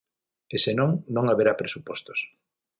E senón, non haberá presupostos.